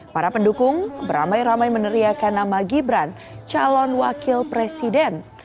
para pendukung beramai ramai meneriakan nama gibran calon wakil presiden